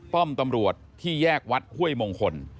ป้อมตำรวจที่แยกวัดห้วยมงคล